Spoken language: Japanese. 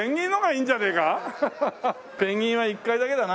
ペンギンは１回だけだな。